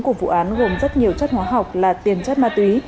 của vụ án gồm rất nhiều chất hóa học là tiền chất ma túy